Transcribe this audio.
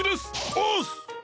おす！